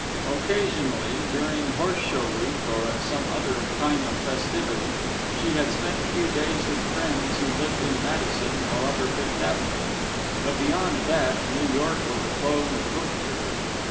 Occasionally, during horse show week, or at some other time of festivity, she had spent a few days with friends who lived in Madison or upper Fifth Avenue, but beyond that, New York was a closed book to her.